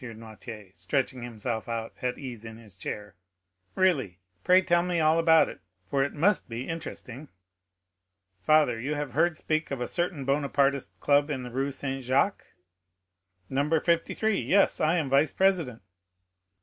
Noirtier, stretching himself out at his ease in the chair. "Really, pray tell me all about it, for it must be interesting." "Father, you have heard speak of a certain Bonapartist club in the Rue Saint Jacques?" "No. 53; yes, I am vice president."